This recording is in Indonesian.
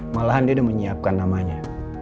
malahan dia udah menyiapkan namanya